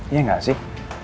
iya enggak sih